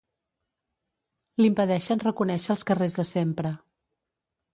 L'impedeixen reconèixer els carrers de sempre.